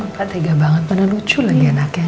nggak tega banget padahal lucu lagi anaknya